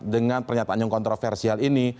dengan pernyataan yang kontroversial ini